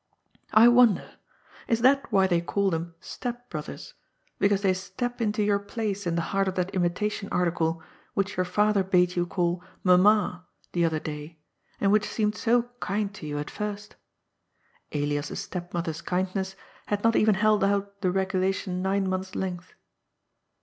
I wonder : Is that why they call them step brothers, because they step into your place in the heart of that imitation article which your father bade you call " mamma " the other day, and which seemed so kind to you at first? Elias's stepmother's kindness had not even held out the regulation nine months' length.